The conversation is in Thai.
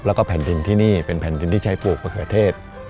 แล้วก็แผ่นดินที่นี่เป็นแผ่นดินที่ใช้ปลูกมะเขือเทศ